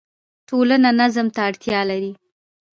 ټولنه نظم ته اړتیا لري.